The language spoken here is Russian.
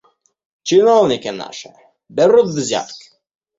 Чиновники наши берут взятки.